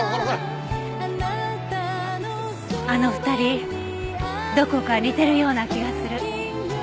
あの２人どこか似てるような気がする。